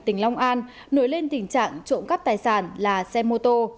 tỉnh long an nổi lên tình trạng trộm cắp tài sản là xe mô tô